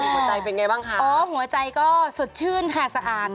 หัวใจเป็นไงบ้างคะอ๋อหัวใจก็สดชื่นค่ะสะอาด